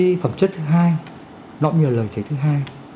cái phẩm chất thứ hai nó cũng như là lời trẻ thứ hai